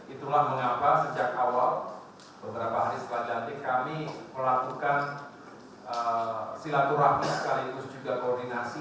itulah mengapa sejak awal beberapa siswa dandi kami melakukan silaturahmi sekaligus juga koordinasi